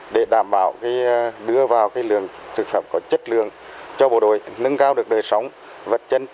để đảm bảo đưa vào lương thực thực phẩm có chất lượng cho bộ đội nâng cao được đời sống vật chân